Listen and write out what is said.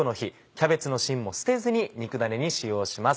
キャベツの芯も捨てずに肉だねに使用します。